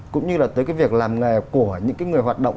cũng như là tới cái việc làm nghề của những cái người hoạt động